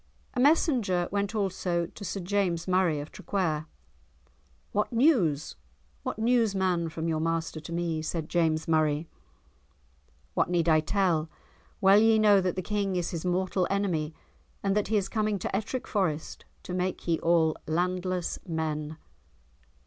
A messenger went also to Sir James Murray of Traquair. "What news? What news, man, from your master to me?" said James Murray. "What need I tell? Well ye know that the King is his mortal enemy and that he is coming to Ettrick Forest to make ye all landless men."